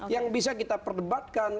yang bisa kita perdebatkan